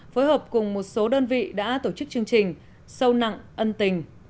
phối hợp cùng một số đơn vị đã tổ chức chương trình sâu nặng ân tình